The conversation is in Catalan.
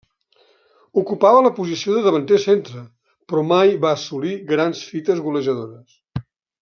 Ocupava la posició de davanter centre, però mai va assolir grans fites golejadores.